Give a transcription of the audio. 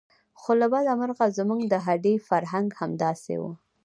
خو له بده مرغه زموږ د هډې فرهنګ همداسې و.